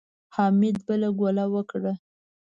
حميد بله ګوله وکړه.